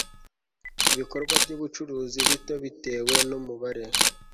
ibikorwa by ubucuruzi bito bitewe n umubare